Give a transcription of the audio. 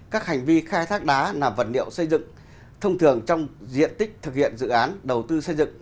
các hành vi khai thác đá làm vật liệu xây dựng thông thường trong diện tích thực hiện dự án đầu tư xây dựng